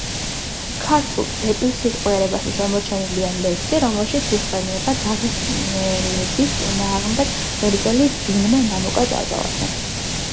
ქართულ ზეპირსიტყვიერებაში შემორჩენილია ლექსი, რომელშიც იხსენიება დაღესტნელების წინააღმდეგ მებრძოლი ვინმე მამუკა ჭავჭავაძე.